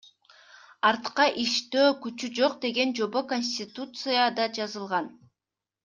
Артка иштөө күчү жок деген жобо Конституцияда жазылган.